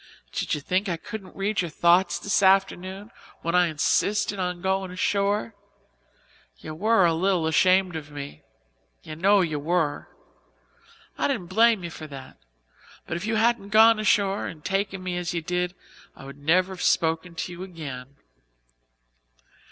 Did you think I couldn't read your thoughts this afternoon, when I insisted on going ashore? You were a little ashamed of me you know you were. I didn't blame you for that, but if you hadn't gone ashore and taken me as you did I would never have spoken to you again.